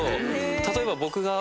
例えば僕が。